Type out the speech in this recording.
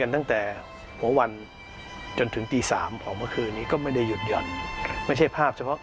ก็เรื่องอุ้ยเจ้ากลุ่มที่ตาลจื้นเป็นอากาศมาก